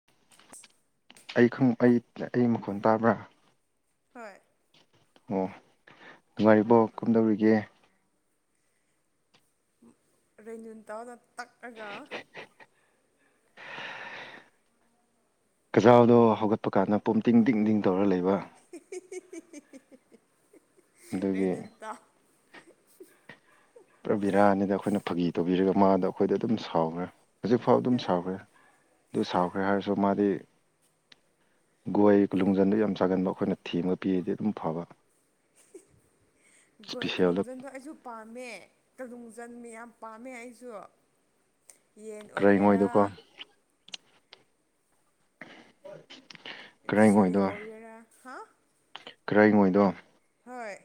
[unintelligible] ꯑꯩ ꯑꯩ ꯃꯈꯣꯟꯜ ꯇꯥꯕ꯭ꯔꯥ ꯍꯣꯏ ꯑꯣ ꯅꯨꯡꯉꯥꯏꯔꯤꯕꯣ ꯀꯝꯗꯧꯔꯤꯒꯦ ꯔꯦꯟꯖꯟ ꯇꯥꯎꯗ ꯇꯛꯑꯒ ꯀꯖꯥꯎꯗꯣ ꯍꯧꯒꯠꯄ ꯀꯥꯟꯗ ꯄꯨꯝ ꯇꯤꯡ ꯇꯤꯡ ꯇꯤꯡ ꯇꯧꯔ ꯂꯩꯕ ꯀꯟ ꯑꯗꯨꯒꯤ ꯇꯎ ꯄꯨꯔ ꯕꯤꯔꯥꯅꯤꯗ ꯑꯩꯈꯣꯏꯅ ꯐꯥꯒꯤ ꯇꯧꯕꯤꯔꯒ ꯃꯥꯗ ꯑꯩꯈꯣꯏꯗ ꯑꯗꯨꯝ ꯁꯥꯎꯈ꯭ꯔꯦ ꯍꯧꯖꯤꯛꯐꯥꯎ ꯑꯗꯨꯝ ꯁꯥꯎꯈ꯭ꯔꯦ ꯑꯗꯨ ꯁꯥꯎꯈ꯭ꯔꯦ ꯍꯥꯏꯔꯁꯨ ꯃꯥꯗꯤ ꯒꯣꯏ ꯀ ꯂꯨꯡꯖꯟꯗ ꯌꯥꯝ ꯁꯥꯥꯒꯟꯕ ꯑꯩꯈꯣꯏꯅ ꯊꯦꯝꯒ ꯄꯤꯔꯗꯤ ꯑꯗꯨꯝ ꯐꯕ [unintelligible] ꯒꯣꯏ ꯏꯁꯄꯤꯁꯦꯜꯗꯣ ꯀꯂꯣꯡꯖꯟꯗꯣ ꯑꯩꯁꯨ ꯄꯥꯝꯃꯦ ꯇꯗꯣꯡ ꯆꯟꯕ ꯌꯥꯝ ꯄꯥꯝꯃꯦ ꯑꯩꯁꯨ ꯌꯦꯟ ꯑꯣꯏꯒꯦꯔꯥ ꯀꯔꯩꯉꯣꯏꯗꯣꯀꯣ [unintelligible] ꯖꯨ ꯀꯔꯩꯉꯣꯏꯗꯣ ꯑꯣꯔꯔꯥ ꯍꯥ ꯀꯔꯥꯏꯉꯣꯏꯗꯣ ꯍꯣꯏ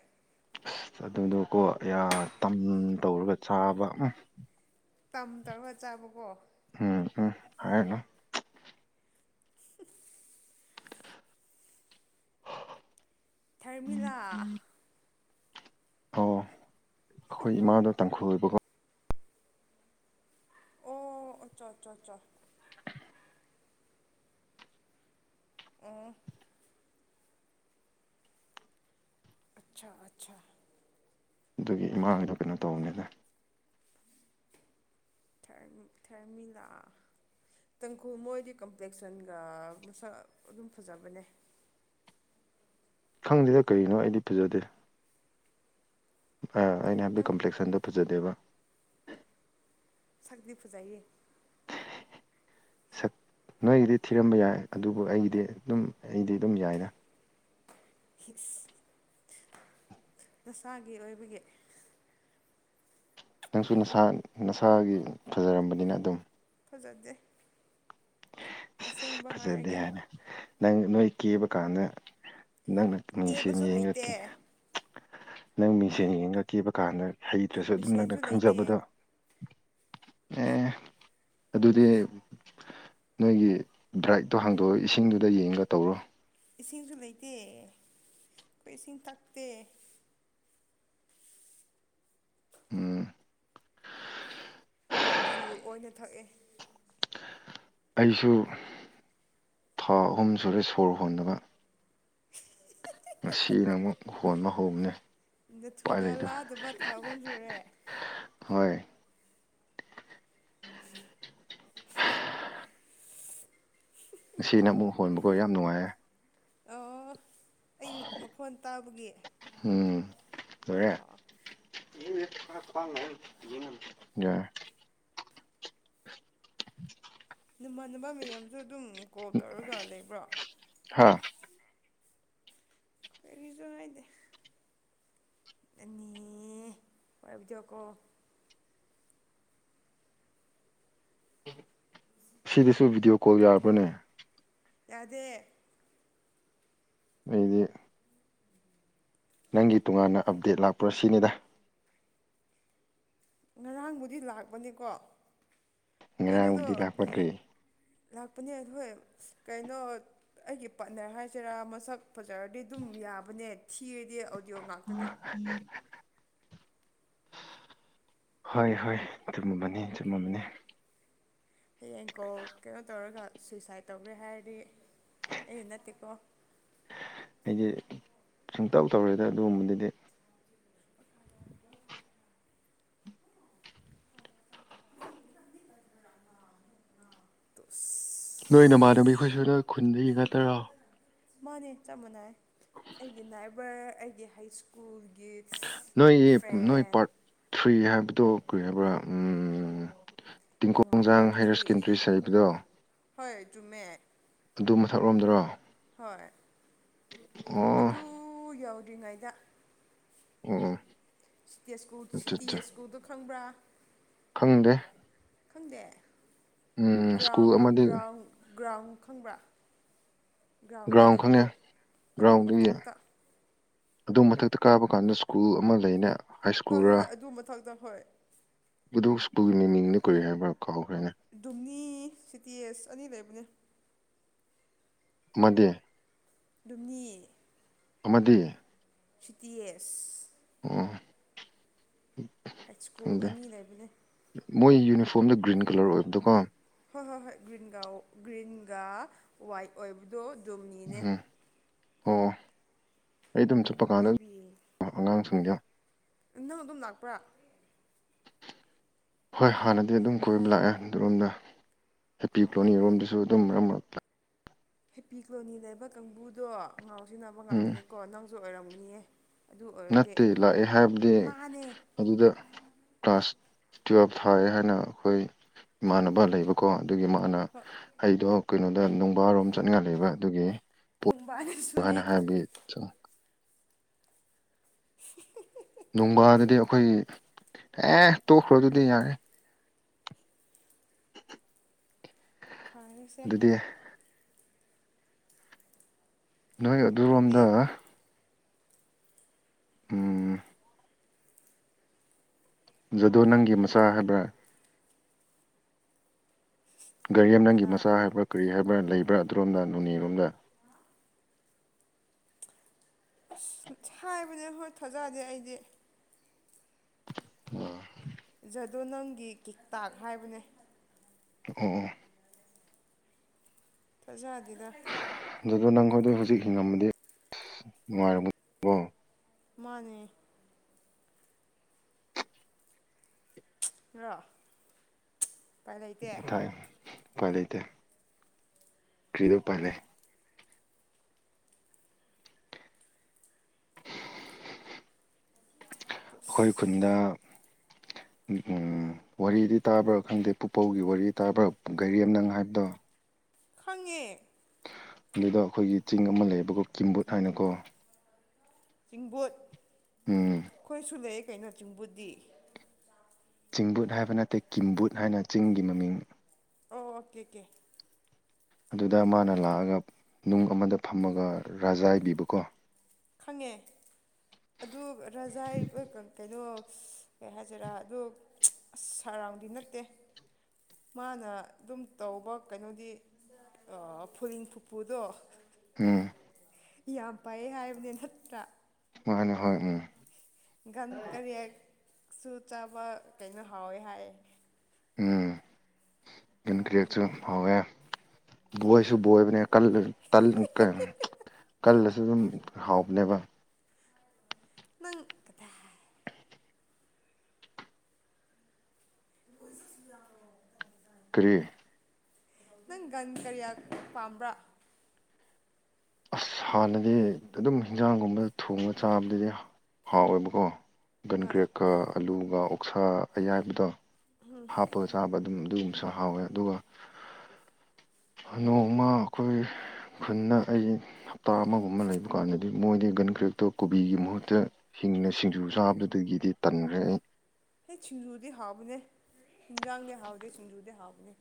ꯑꯁ ꯑꯗꯨꯗꯣꯀꯣ ꯇꯝ ꯇꯧꯔꯒ ꯆꯥꯕ ꯇꯝ ꯇꯔꯒ ꯆꯥꯕꯀꯣ ꯎꯝ ꯎꯝ ꯍꯥꯏꯅꯣ [unintelligible] ꯊꯙꯔꯃꯤꯂꯥ ꯑꯣ ꯑꯩꯈꯣꯏ ꯏꯃꯥꯗꯣ ꯇꯥꯡꯈꯨ ꯑꯣ ꯑꯆꯥ ꯑꯆꯥꯆꯥ ꯑꯆꯥ ꯑꯣ ꯑꯆꯥꯆꯥ ꯑꯆꯥ ꯑꯗꯨꯒꯤ ꯏꯃꯥꯡꯗꯣ ꯀꯩꯅꯣ ꯇꯧꯕꯅꯤꯗ ꯊꯔ ꯊꯔꯃꯤꯂꯥ ꯇꯥꯡꯈꯨꯜ ꯃꯣꯏꯗꯤ ꯀꯝꯄ꯭ꯂꯦꯛꯁꯟꯒ ꯃꯁꯛ ꯑꯗꯨꯝ ꯐꯖꯕꯅꯦ ꯈꯪꯗꯦꯗ ꯀꯔꯤꯅꯣ ꯑꯩꯗꯤ ꯐꯖꯗꯦ ꯑꯩꯅ ꯍꯥꯏꯕꯗꯤꯛ ꯅꯪ ꯀꯝꯄ꯭ꯂꯦꯛꯁꯟꯗ ꯄꯨꯖꯗꯦꯕ ꯁꯥꯛꯂꯤ ꯐꯨꯖꯩꯌꯦ ꯁꯛ ꯅꯣꯏꯒꯤꯗꯤ ꯊꯤꯔꯝꯕ ꯌꯥꯏ ꯑꯗꯨꯕꯨ ꯑꯩꯒꯤꯗꯤ ꯑꯗꯨꯝ ꯑꯩꯗꯤ ꯑꯗꯨꯝ ꯌꯥꯏꯅ ꯅꯁꯥꯒꯤ ꯑꯣꯏꯕꯒꯤ ꯅ ꯅꯪꯁꯨ ꯅꯁꯥ ꯅꯁꯥꯒꯤ ꯐꯖꯔꯝꯕꯅꯤꯅ ꯑꯗꯨꯝ ꯐꯖꯠꯁꯦ ꯑꯁꯦꯡꯕ ꯐꯖꯗꯦ ꯍꯥꯏꯔꯒꯦ ꯍꯥꯏꯅ ꯅꯪ ꯅꯣꯏ ꯀꯦꯕ ꯀꯥꯟꯗ ꯅꯪꯅ ꯅꯨꯡꯁꯤꯅ ꯀꯦꯕꯁꯨ ꯌꯦꯡꯉꯛꯈꯤ ꯍꯩꯇꯦ ꯅꯪ ꯃꯤꯁꯦ ꯌꯦꯡꯉꯛꯈꯤꯕ ꯀꯥꯟꯗ ꯍꯩꯇ꯭ꯔꯁꯨ ꯑꯗꯨꯝ ꯅꯪꯅ ꯃꯤꯁꯦꯟꯁꯨ ꯂꯩꯇꯦ ꯈꯪꯖꯕꯗꯣ ꯑꯦ ꯑꯗꯨꯗꯤ ꯅꯣꯏꯒꯤ ꯗ꯭ꯔꯥꯏꯛꯇꯣ ꯍꯥꯡꯗꯣꯛꯑꯒ ꯏꯁꯤꯡꯗꯨꯗ ꯌꯦꯡꯉ ꯇꯧꯔꯣ ꯏꯁꯤꯡꯁꯨ ꯂꯩꯇꯦ ꯑꯩꯈꯣꯏ ꯏꯁꯤꯡ ꯇꯛꯇꯦ ꯎꯝ ꯌꯨ ꯑꯣꯏꯅ ꯊꯛꯑꯦ ꯑꯩꯁꯨ ꯊꯥ ꯑꯍꯨꯝ ꯁꯨꯔꯦ ꯁꯣꯔ ꯍꯣꯟꯅꯕ ꯎ ꯉꯁꯤꯅ ꯑꯃꯨꯛ ꯍꯣꯟꯕ ꯍꯧꯕꯅꯤ ꯄꯥꯏ ꯅꯊꯨꯂꯥ ꯂꯩꯣ ꯂꯥꯗꯕ ꯊꯥ ꯑꯍꯨꯝ ꯁꯨꯔꯦ ꯍꯣꯏ ꯑꯁꯤꯅ ꯑꯃꯨꯛ ꯍꯣꯟꯕꯀꯣ ꯌꯥꯝ ꯅꯨꯡꯉꯥꯏꯌꯦ ꯑꯌꯨꯛ ꯃꯈꯣꯟ ꯇꯥꯕꯒꯤ ꯎꯝ ꯑꯣ ꯌꯥ ꯅꯃꯥꯟꯅꯕ ꯃꯌꯥꯝꯁꯨ ꯑꯗꯨꯝ ꯀꯣꯜ ꯇꯧꯔꯒ ꯂꯩꯕ꯭ꯔꯣ ꯍꯥ ꯑꯣꯏꯔꯤꯖ ꯑꯠꯇꯗꯤ ꯅ ꯄꯖꯣꯀꯣ ꯁꯤꯗꯁꯨ ꯚꯤꯗꯤꯑꯣ ꯀꯣꯜ ꯌꯥꯔꯕꯅꯦ ꯑꯗꯦ ꯑꯩꯗꯤ ꯅꯪꯒꯤ ꯇꯣꯉꯥꯟꯅ ꯑꯞꯗꯦꯠ ꯂꯥꯛꯄꯔꯣ ꯁꯤꯅꯤꯗ ꯉꯔꯥꯡꯕꯨꯗꯤ ꯂꯥꯛꯄꯅꯤꯀꯣ ꯉꯔꯥꯡꯕꯨꯗꯤ ꯂꯥꯛꯄꯈꯔꯤ ꯂꯥꯛꯄꯅꯦ ꯑꯩꯣꯏ ꯀꯩꯅꯣ ꯑꯩꯒꯤ ꯄꯥꯠꯅꯔ ꯍꯥꯏꯁꯤꯔꯥ ꯃꯁꯛ ꯐꯖꯔꯗꯤ ꯑꯗꯨꯝ ꯌꯥꯕꯅꯦ ꯊꯤꯔꯗꯤ ꯑꯣꯗꯤꯑꯣ ꯎ ꯉꯥꯛꯇꯅꯦ ꯍꯣꯏ ꯍꯣꯏ ꯆꯨꯝꯃꯕꯅꯤ ꯆꯨꯝꯃꯕꯅꯤ ꯍꯌꯦꯡ ꯀꯣ ꯀꯩꯅꯣ ꯇꯧꯔꯒ ꯁꯨꯏꯁꯥꯏꯠ ꯇꯧꯈ꯭ꯔꯦ ꯍꯥꯏꯔꯗꯤ ꯑꯩꯗ ꯇꯤꯀꯣ ꯑꯩꯗꯤ ꯁꯨꯡꯇꯧ ꯇꯧꯔꯦꯗ ꯑꯗꯨꯒꯨꯝꯕꯗꯨꯗꯤ ꯇ ꯅꯣꯏ ꯅꯃꯥꯟꯅꯕ ꯑꯩꯈꯣꯏꯁꯨ ꯅꯣꯏ ꯈꯨꯟꯗ ꯌꯦꯡ ꯉꯠꯇꯔꯣ ꯃꯥꯅꯦ ꯆꯞ ꯃꯥꯟꯅꯩ ꯑꯩꯒꯤ ꯅꯥꯏꯕꯔ ꯑꯩꯒꯤ ꯍꯥꯏ ꯁ꯭ꯀꯨꯜꯒꯤ ꯅꯣꯏ ꯅꯣꯏ ꯐ꯭ꯔꯦꯟ ꯄꯥꯔꯠ ꯊ꯭ꯔꯤ ꯍꯥꯏꯕꯗꯣ ꯀꯔꯤ ꯍꯥꯏꯕ꯭ꯔꯥ ꯔꯣꯡꯃꯥꯏ ꯇꯤꯡꯀꯣꯡꯖꯥꯡ ꯍꯥꯏꯌꯔ ꯄꯥꯊ꯭ꯔꯤ ꯁꯦꯀꯦꯟꯗꯔꯤ ꯍꯥꯏꯕꯗꯣ ꯍꯣꯏ ꯇꯖꯨꯃꯦꯃꯦꯠ ꯑꯗꯨ ꯃꯊꯛꯂꯣꯝꯗꯔꯣ ꯍꯣꯏ ꯑꯣ ꯑꯗꯨ ꯌꯧꯗ꯭ꯔꯤꯉꯩꯗ ꯑ ꯁꯤꯇ ꯁꯤꯇꯤꯁꯀꯨꯗꯣ ꯈꯪꯕ꯭ꯔꯥ ꯈꯪꯗꯦ ꯈꯪꯗꯦ ꯎꯝ ꯁ꯭ꯀꯨꯜ ꯒ꯭ꯔꯥꯎꯟ ꯑꯃꯗꯤ ꯒ꯭ꯔꯥꯎꯟ ꯒ꯭ꯔꯥꯎꯟ ꯈꯪꯕ꯭ꯔꯥ ꯒ꯭ꯔꯥꯎꯟ ꯑꯃ ꯂꯩꯕꯗꯣ ꯑꯗꯨ ꯒ꯭ꯔꯥꯎꯟꯗꯨꯒꯤ ꯃꯊꯛꯇ ꯑꯗꯨ ꯃꯊꯛꯇ ꯀꯥꯕ ꯀꯥꯟꯗ ꯁ꯭ꯀꯨꯜ ꯑꯃ ꯂꯩꯅ ꯍꯣꯏ ꯍꯣꯏ ꯍꯣꯏ ꯑꯗꯨ ꯃꯊꯛꯇꯪ ꯍꯣꯏ ꯑꯗꯨꯒꯤ ꯃꯤꯃꯤꯡꯅ ꯀꯨꯔꯤ ꯍꯥꯏꯕ ꯙꯝꯅꯤ ꯁꯤꯇꯦꯁ ꯑꯅꯤ ꯂꯩꯕꯅꯦ ꯃ ꯑꯗꯨꯨꯝꯅꯤ ꯑꯃꯗꯤ ꯁꯤꯇꯤ ꯑꯦꯁ ꯑꯣ ꯍꯥꯏꯠ ꯁ꯭ꯀꯨꯜ ꯈꯪꯗꯦ ꯑꯅꯤ ꯂꯩꯕꯅꯤ ꯃꯣꯏ ꯌꯨꯅꯤꯐꯣꯔꯝꯗ ꯒ꯭ꯔꯤꯟ ꯀꯂꯔ ꯑꯣꯏꯕꯗꯣꯀꯣ ꯍꯣꯏ ꯍꯣꯏ ꯍꯣꯏ ꯒ꯭ꯔꯤꯟꯒ ꯒ꯭ꯔꯤꯟꯒ ꯋꯥꯏꯠ ꯑꯣꯏꯕꯗꯣ ꯗꯨꯝꯅꯤꯅꯦ ꯎꯝ ꯑꯣ ꯑꯩ ꯑꯗꯨꯝ ꯆꯠꯄ ꯀꯥꯟꯗ ꯕꯦꯕꯤ ꯑꯉꯥꯡꯁꯤꯡꯗ ꯅꯪ ꯑꯗꯨꯝ ꯂꯥꯛꯄ꯭ꯔꯥ ꯍꯣꯏ ꯍꯥꯟꯅꯗꯤ ꯑꯗꯨꯝ ꯀꯣꯏꯕ ꯂꯥꯛꯑꯦ ꯑꯗꯨꯔꯣꯝꯗ ꯍꯦꯄꯤ ꯑꯣ ꯄ꯭ꯂꯣꯅꯤꯔꯣꯝꯗꯁꯨ ꯑꯗꯨꯝ ꯃꯔꯛ ꯃꯔꯛꯇ ꯍꯦꯄꯤ ꯀꯣꯂꯣꯅꯤ ꯂꯩꯕ ꯀꯥꯡꯕꯨꯗꯣ ꯉꯥꯎ ꯁꯤꯟꯅꯕ ꯎꯝ ꯉꯥꯛꯇꯅꯦꯀꯣ ꯅꯪꯁꯨ ꯑꯣꯏꯔꯝꯒꯅꯤꯌꯦ ꯑꯗꯨ ꯑꯣꯏꯔꯗꯤ ꯅꯠꯇꯦ ꯂꯥꯛꯑꯦ ꯍꯥꯏꯕꯗꯤ ꯃꯥꯅꯦ ꯑꯗꯨꯗ ꯀ꯭ꯂꯥꯁ ꯇꯨꯋꯜꯐ ꯊꯥꯏ ꯍꯥꯏꯅ ꯑꯩꯈꯣꯏ ꯏꯃꯥꯟꯅꯕ ꯂꯩꯕꯀꯣ ꯑꯗꯨꯒꯤ ꯃꯥꯅ ꯍꯣꯏ ꯑꯩꯗꯣ ꯀꯩꯅꯣꯗ ꯅꯣꯡꯕꯥꯔꯣꯝ ꯆꯠꯉ ꯂꯩꯕ ꯑꯗꯨꯒꯤ ꯄꯣꯠ ꯅꯨꯡꯕꯥꯅꯁꯨꯅꯦ ꯍꯥꯏꯅ ꯍꯥꯏꯕꯒꯤ ꯆꯪꯉ ꯅꯣꯡꯕꯥꯗꯗꯤ ꯑꯩꯈꯣꯏ ꯑꯦ ꯇꯣꯛꯈ꯭ꯔꯣ ꯑꯗꯨꯗꯤ ꯌꯥꯔꯦ ꯐꯪꯉꯁꯦ ꯑꯗꯨꯗꯤ ꯅꯣꯏ ꯑꯗꯨꯔꯣꯝꯗ ꯑꯗꯨꯗꯤ ꯎꯝ ꯖꯗꯨꯣ ꯅꯪꯒꯤ ꯃꯆꯥ ꯍꯥꯏꯕ꯭ꯔꯥ ꯒꯥꯔꯤ ꯑꯃ ꯅꯪꯒꯤ ꯀꯅꯥ ꯃꯆꯥ ꯍꯥꯏꯕ꯭ꯔꯥ ꯀꯔꯤ ꯍꯥꯏꯕ꯭ꯔꯥ ꯂꯩꯕ꯭ꯔꯥ ꯑꯗꯨꯔꯣꯝꯗ ꯅꯣꯡꯅꯦꯔꯣꯝꯗ ꯑꯁ ꯍꯥꯏꯕꯅꯦ ꯍꯣꯏ ꯊꯥꯖꯗꯦ ꯑꯩꯗꯤ ꯑ ꯖꯗꯣ ꯅꯪꯒꯤ ꯀꯤꯇꯥꯛ ꯍꯥꯏꯕꯅꯦ ꯑꯣ ꯑꯣ ꯐꯖꯥꯖꯤꯗ ꯑꯗꯨꯗꯣ ꯅꯪꯈꯣꯏꯗ ꯍꯧꯖꯤꯛ ꯍꯤꯡꯉꯃꯗꯤ ꯅꯨꯡꯉꯥꯏꯔꯣ ꯃꯥꯅꯦ ꯅꯣ ꯀꯥꯏ ꯂꯩꯇꯦ ꯀꯣꯏ ꯂꯩꯇ ꯀ꯭ꯔꯤꯗ ꯄꯦ ꯑꯩꯈꯣꯏ ꯈꯨꯟꯗ ꯎ ꯋꯥꯔꯤꯗꯤ ꯇꯥꯕ꯭ꯔꯥ ꯈꯪꯗꯦ ꯄꯨꯄꯧꯒꯤ ꯋꯥꯔꯤ ꯇꯥꯕ꯭ꯔꯥ ꯒꯥꯥꯏꯔꯤꯦꯝ ꯅꯪ ꯍꯥꯏꯕꯗꯣ ꯈꯪꯉꯦ ꯑꯗꯨꯗ ꯑꯩꯈꯣꯏꯒꯤ ꯆꯤꯡ ꯑꯃ ꯂꯩꯌꯦꯕꯀꯣ ꯀꯤꯝꯕꯨꯠ ꯍꯥꯏꯅꯀꯣ ꯆꯤꯡꯕꯨꯠ ꯎꯝ ꯑꯩꯈꯣꯏꯁꯨ ꯂꯩ ꯀꯩꯅꯣ ꯆꯤꯡꯕꯨꯠꯗꯤꯤ ꯆꯤꯡꯕꯨꯠ ꯍꯥꯏꯕ ꯅꯠꯇꯦ ꯀꯤꯝꯕꯨꯠ ꯍꯥꯏꯅ ꯆꯤꯡꯒꯤ ꯃꯃꯤꯡ ꯑꯣ ꯑꯣꯀꯦ ꯑꯣꯀꯦ ꯑꯗꯨꯗ ꯃꯥꯅ ꯂꯥꯛꯑꯒ ꯅꯨꯡ ꯑꯃꯗ ꯐꯝꯃꯒ ꯔꯥꯖꯥ ꯏꯕꯤꯕꯀꯣ ꯈꯪꯉꯦ ꯑꯗꯨ ꯔꯖꯥꯏ ꯀꯩꯅꯣ ꯀꯩ ꯍꯥꯏꯁꯤꯔꯥ ꯑꯗꯨ ꯁꯔꯥꯎꯟꯗꯤ ꯅꯠꯇꯦ ꯃꯥꯅ ꯑꯗꯨꯝ ꯇꯧꯕ ꯀꯩꯅꯣꯗꯤ ꯐꯨꯔꯤꯡ ꯐꯨꯐꯨꯗꯣ ꯎꯝ ꯌꯥꯝ ꯐꯩꯌꯦ ꯍꯥꯏꯕꯅꯦ ꯅꯠꯇ꯭ꯔꯥ ꯃ ꯍꯅꯦ ꯍꯣꯏ ꯎꯝ ꯒꯟ ꯀꯔꯤꯁꯨ ꯆꯥꯕ ꯀꯩꯅꯣ ꯍꯥꯎꯋꯦ ꯍꯥꯏ ꯎꯝ ꯏꯟ ꯀ꯭ꯔꯦꯛꯁꯨ ꯐꯥꯎꯋꯦ ꯕꯣꯏꯁꯨ ꯕꯣꯏꯕꯅꯦ ꯀꯜꯂꯁꯨ ꯑꯗꯨꯝ ꯍꯥꯎꯕꯅꯦꯕ ꯅꯪ ꯀꯔꯤ ꯅꯪ ꯒꯟ ꯀꯔꯤꯌꯥ ꯄꯥꯝꯕ꯭ꯔꯥ ꯑꯁ ꯍꯥꯟꯅꯗꯤ ꯑꯗꯨꯝ ꯍꯤꯟꯖꯥꯡꯒꯨꯝꯕ ꯊꯣꯡꯉ ꯆꯥꯕꯗꯗꯤ ꯍꯥꯎꯋꯦꯕꯀꯣ ꯒꯟ ꯍꯣꯏ ꯀ꯭ꯔꯦꯛꯀ ꯑꯂꯨꯒ ꯑꯣꯛꯁꯥ ꯑꯌꯥꯏꯕꯗꯣ ꯍꯥꯞꯄꯒ ꯆꯥꯕꯗ ꯑꯗꯨꯝ ꯑꯗꯨꯒꯨꯝꯕꯁ ꯍꯥꯎꯋꯦ ꯑꯗꯨꯒ ꯅꯣꯡꯃ ꯑꯩꯈꯣꯏ ꯈꯨꯟꯅ ꯑꯩꯁ ꯍꯞꯇꯥ ꯑꯃꯒꯨꯝ ꯑꯃ ꯂꯩꯕ ꯀꯥꯟꯗꯗꯤ ꯃꯣꯏꯗꯤ ꯒꯟ ꯀ꯭ꯔꯦꯞꯇꯣ ꯀꯣꯕꯤꯒꯤ ꯃꯍꯨꯠꯇ ꯍꯤꯡꯅ ꯁꯤꯡꯖꯨ ꯆꯥꯕꯗꯒꯤꯗꯤ ꯇꯟꯈ꯭ꯔꯦ ꯑꯩ ꯑꯦ ꯁꯤꯡꯖꯨꯗꯤ ꯍꯥꯕꯅꯦ ꯍꯤꯟꯖꯥꯡꯗꯤ ꯍꯥꯎꯗꯦ ꯁꯤꯡꯖꯨꯗꯤ ꯍꯥꯕꯅꯦ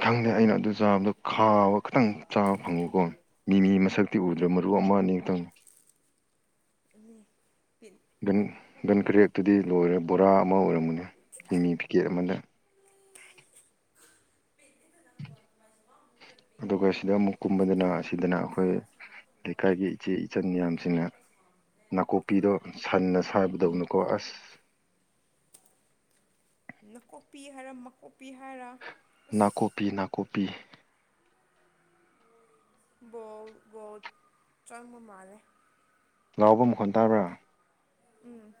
ꯈꯪꯗꯦ ꯑꯩꯅ ꯑꯗꯨ ꯆꯥꯕꯗꯣ ꯈꯥꯕ ꯈꯤꯇꯪ ꯆꯥꯕ ꯐꯪꯉꯨꯀꯣ ꯃꯤ ꯃꯤ ꯃꯁꯛꯇꯤ ꯎꯗ꯭ꯔꯕ ꯃꯔꯨ ꯑꯃ ꯃꯥꯅꯤꯇꯪ [unintelligible] ꯒꯟ ꯒꯟ ꯀꯔꯦꯠꯇꯨꯗꯤ ꯂꯣꯏꯔꯦ ꯕꯣꯔꯥ ꯑꯃ ꯑꯣꯏꯔꯝꯕꯅꯦ ꯀꯤꯃꯤ ꯄꯤꯀꯦꯠ ꯑꯃꯗ ꯑꯗꯨꯒ ꯁꯤꯗ ꯑꯃꯨꯛ ꯀꯨꯝꯕꯗꯅ ꯑꯁꯤꯗꯅ ꯑꯩꯈꯣꯏ ꯂꯩꯀꯥꯏꯒꯤ ꯏꯆꯦ ꯏꯆꯟ ꯃꯌꯥꯝꯁꯤꯡꯅ ꯅꯥꯀꯨꯞꯄꯤꯗꯣ ꯁꯟꯅ ꯁꯥꯕꯗꯧꯅꯨꯀꯣ ꯑꯁ [inaudible] ꯅꯀꯣꯛꯄꯤ ꯍꯥꯏꯔ ꯃꯀꯣꯛ ꯅꯥꯀꯨꯞꯄꯤ ꯅꯥꯀꯨꯞꯄꯤ ꯆꯪꯕ ꯃꯥꯂꯦ ꯂꯥꯎꯕ ꯃꯈꯣꯟ ꯇꯥꯕ꯭ꯔꯥ ꯎꯝ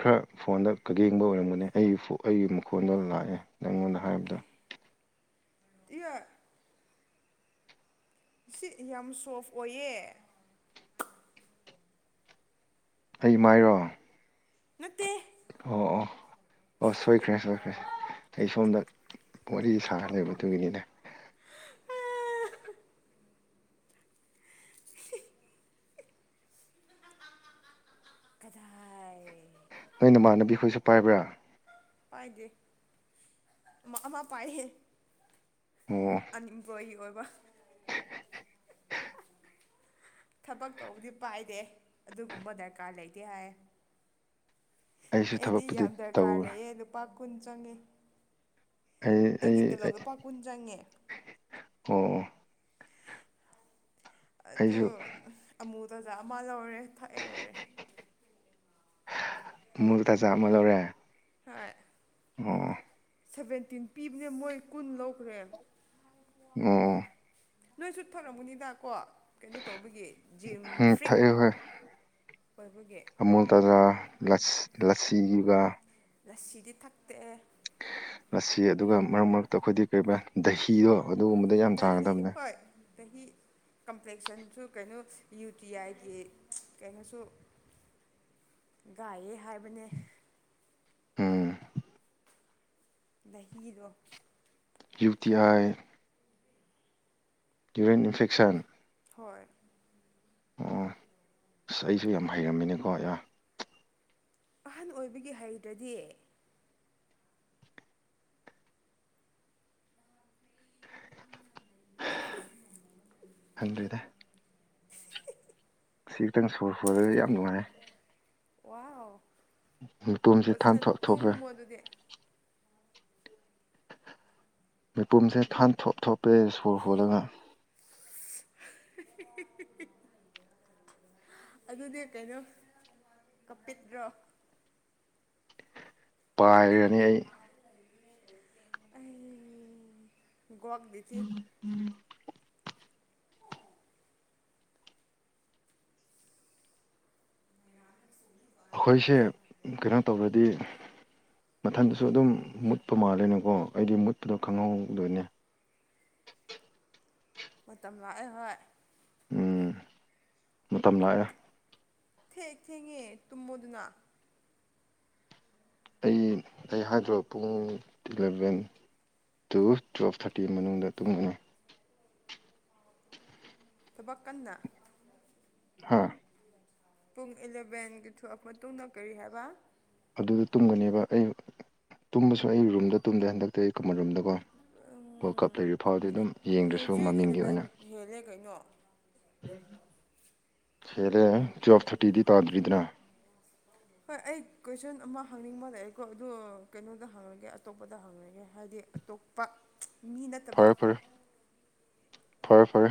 ꯈꯔ ꯐꯣꯟꯗ ꯀꯒꯦꯡꯕ ꯑꯣꯏꯔꯝꯒꯅꯤ ꯑꯩꯒꯤ ꯑꯩꯒꯤ ꯃꯈꯣꯟꯗꯣ ꯂꯥꯛꯑꯦ ꯅꯪꯉꯣꯟꯗ ꯍꯥꯏꯔꯕꯗ [inaudible] [unintelligible] ꯁꯤ ꯌꯥꯝ ꯁꯣꯐ ꯑꯣꯏꯌꯦ ꯑꯩ ꯃꯥꯏꯔꯣ ꯅꯠꯇꯦ ꯑꯣ ꯑꯣ ꯑꯣ ꯁꯣꯏꯈ꯭ꯔꯦ ꯁꯣꯏꯈ꯭ꯔꯦ ꯑꯩ ꯁꯣꯝꯗ ꯃꯣꯔꯤ ꯁꯥꯔ ꯂꯩꯕꯗꯨꯒꯤꯅꯤꯅꯦ [inaudible] ꯀꯗꯥꯏ ꯅꯣꯏ ꯅꯃꯥꯟꯅꯕꯤꯈꯣꯏꯁꯨ ꯄꯥꯏꯕ꯭ꯔꯥ ꯄꯥꯏꯗꯦ ꯑꯃ ꯑꯃ ꯄꯥꯏꯍꯦ ꯑꯣ ꯑꯟꯏꯝꯄ꯭ꯂꯣꯏꯣꯌꯤ ꯑꯣꯏꯕ ꯊꯕꯛ ꯇꯧꯕꯗꯤ ꯄꯥꯏꯗꯦ ꯑꯗꯨꯒꯨꯝꯕ ꯗꯔꯀꯥꯔ ꯂꯩꯇꯦ ꯍꯥꯏ ꯑꯩꯁꯨ ꯑꯩꯗꯤ ꯊꯕꯛꯄꯨꯗꯤ ꯌꯥꯝ ꯗꯔꯀꯥꯔ ꯇꯧꯋꯦ ꯂꯩꯌꯦ ꯂꯨꯄꯥ ꯀꯨꯟ ꯆꯪꯉꯦ ꯑꯩ ꯑꯩꯒꯤ ꯇꯤꯜꯂꯣꯞ ꯑꯩ ꯂꯨꯄꯥ ꯀꯨꯟ ꯆꯪꯉꯦ ꯑꯣ ꯑꯗꯨ ꯑꯩꯁꯨ ꯑꯃꯨ ꯇꯖꯥ ꯑꯃ ꯂꯧꯔꯦ ꯊꯥꯛꯑꯦ ꯂꯣꯏꯔꯦ ꯑꯃꯨꯜ ꯇꯖꯥ ꯑꯃ ꯂꯧꯔꯦ ꯍꯣꯏ ꯑꯣ ꯁꯦꯚꯦꯟꯇꯤꯟ ꯄꯤꯕꯅꯦ ꯃꯣꯏ ꯀꯨꯟ ꯂꯧꯈ꯭ꯔꯦ ꯑꯣ ꯅꯣꯏ ꯁꯠ ꯊꯔꯝꯃꯨꯅꯤꯗ ꯀꯣ ꯀꯩꯅꯣ ꯇꯧꯕꯒꯤ ꯖꯤꯝ ꯐ꯭ꯔꯤꯛ ꯊꯛꯑꯦ ꯍꯣꯏ ꯑꯣꯏꯕꯒꯤ ꯂꯁꯤꯗꯨꯒ ꯂꯁꯤꯗꯤ ꯊꯛꯇꯛꯦ ꯑꯁꯤ ꯑꯗꯨꯒ ꯃꯔꯛ ꯃꯔꯛꯇ ꯑꯩꯈꯣꯏꯗꯤ ꯀꯩꯔꯤꯕ ꯗꯍꯤꯗꯣ ꯑꯗꯨꯒꯨꯝꯕꯗ ꯌꯥꯝ ꯆꯥꯡꯒꯗꯕꯅꯦ ꯆꯍꯤꯍꯤ ꯀꯝꯄ꯭ꯂꯦꯛꯁꯟꯁꯨ ꯀꯩꯅꯣ ꯌꯨ ꯇꯤ ꯑꯥꯏꯒꯤ ꯀꯩꯅꯣꯁꯨ ꯒꯥꯏꯌꯦ ꯍꯥꯏꯕꯅꯦ ꯍꯝ ꯃꯍꯗꯣ ꯌꯨ ꯇꯤ ꯑ ꯌꯔꯤꯟ ꯏꯟꯐꯦꯛꯁꯟ ꯍꯣꯏ ꯑꯣ ꯑꯁ ꯑꯩꯁꯨ ꯌꯥꯝ ꯍꯩꯔꯝꯃꯤꯅꯦꯀꯣ ꯑ ꯑꯍꯟ ꯑꯣꯏꯕꯒꯤ ꯍꯩꯗ꯭ꯔꯗꯤ ꯈꯪꯗ꯭ꯔꯤꯗ ꯁꯤ ꯈꯤꯇꯪ ꯁꯣꯔ ꯁꯨꯔꯗꯁꯨ ꯌꯥꯝ ꯅꯨꯡꯉꯥꯏ ꯋꯥ ꯃꯤꯨꯝꯁꯤ ꯊꯣꯛ ꯊꯣꯛꯄꯦ ꯑꯗꯨꯗꯤ ꯃꯤꯄꯨꯝꯁꯦ ꯈꯟ ꯊꯣꯞ ꯊꯣꯞꯄꯦ ꯁꯀꯣꯔ ꯍꯣꯜꯂꯒ [inaudible] [unintelligible] ꯑꯗꯨꯅꯦ ꯀꯩꯅꯣ ꯀꯄꯤꯠꯇ꯭ꯔꯣ ꯄꯥꯏꯔꯅꯤ ꯑꯩ ꯣꯛꯒꯗꯤꯁꯤꯤ ꯑꯩꯈꯣꯏꯁꯦ ꯀꯩꯅꯣ ꯇꯧꯔꯗꯤ ꯃꯊꯟꯗꯁꯨ ꯑꯗꯨꯝ ꯃꯨꯠꯄ ꯃꯥꯜꯂꯦꯅꯀꯣ ꯑꯩꯗꯤ ꯃꯨꯠꯄꯗꯣ ꯈꯪꯍꯧꯗꯣꯏꯅꯦ [inaudible] [unintelligible] ꯃꯇꯝ ꯂꯥꯛꯑꯦ ꯍꯣꯏ ꯎꯝ ꯃꯇꯝ ꯂꯥꯛꯑꯦ ꯊꯦꯡ ꯊꯦꯡꯉꯦ ꯇꯨꯝꯃꯨꯗꯨꯅ ꯑꯩ ꯑꯩ ꯍꯥꯏꯗ꯭ꯔꯔꯤꯕ ꯄꯨꯡ ꯏꯂꯚꯦꯟ ꯇꯨ ꯇꯨꯌꯦꯜꯐ ꯊꯥꯔꯇꯤ ꯃꯅꯨꯡꯗ ꯇꯨꯡꯃꯅꯤ ꯊꯕꯛ ꯀꯟꯅ ꯍꯥꯥ ꯄꯨꯡ ꯑꯦꯂꯚꯦꯟꯒꯤ ꯊꯣꯛꯂꯛ ꯃꯇꯨꯡꯗ ꯀꯔꯤ ꯍꯥꯏꯕ ꯑꯗꯨꯗ ꯇꯨꯝꯒꯅꯦꯕ ꯑꯩ ꯇꯨꯝꯕꯁꯨ ꯑꯩ ꯔꯨꯝꯗ ꯇꯨꯝꯗꯦ ꯍꯟꯗꯛꯇ ꯑꯩ ꯑꯃꯣꯝꯗꯀꯣ ꯋꯥꯔꯜ ꯀꯞ ꯂꯩꯔꯤ ꯐꯥꯎꯕꯗꯤ ꯑꯗꯨꯝ ꯌꯦꯡꯗ꯭ꯔꯁꯨ ꯍꯧꯖꯤꯛ ꯃꯃꯤꯡꯒꯤ ꯏꯂꯚꯦꯟ ꯑꯣꯏꯅ ꯎꯝ ꯍꯦꯜꯂꯦ ꯀꯩꯅꯣ ꯍꯦꯂꯦ ꯋꯥꯐ ꯊꯔꯇꯤꯗꯤ ꯇꯥꯗꯔꯤꯗꯅ ꯍꯣꯏ ꯑꯩ ꯀꯣꯏꯁꯟ ꯑꯃ ꯍꯪꯅꯤꯡꯕ ꯂꯥꯛꯑꯦꯀꯣ ꯑꯗꯨ ꯀꯩꯅꯣꯗ ꯍꯪꯉꯒꯦ ꯑꯇꯣꯞꯄꯗ ꯍꯪꯉꯒꯦ ꯍꯥꯏꯗꯤ ꯑꯇꯣꯞꯄ ꯃꯤ ꯅꯠꯇꯕ ꯐꯔꯦ ꯐꯔꯦ ꯐꯔꯦ ꯐꯔꯦ